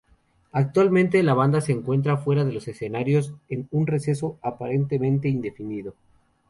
Actualmente la banda se encuentra fuera de los escenarios en un receso, aparentemente, indefinido.